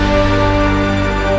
sarap melaksanakan poin bahasa asli